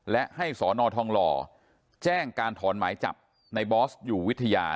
และให้สอนอทองหล่อแจ้งการถอนหมายจับในบอสอยู่วิทยา